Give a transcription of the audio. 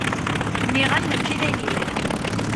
Nɣiman mačči d ayen yelhan.